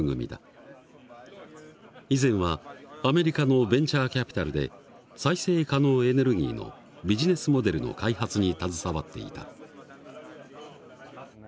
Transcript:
以前はアメリカのベンチャーキャピタルで再生可能エネルギーのビジネスモデルの開発に携わっていた。